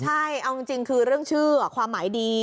ใช่เอาจริงคือเรื่องชื่อความหมายดี